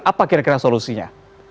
apa kira kira solusinya